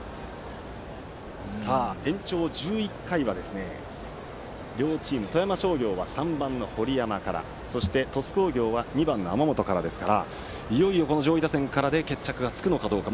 延長１１回は富山商業は３番の堀山からそして、鳥栖工業は２番の天本からですからいよいよ、上位打線からで決着がつくのかどうか。